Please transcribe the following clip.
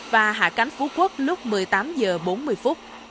và hạ cánh phú quốc lúc một mươi tám h bốn mươi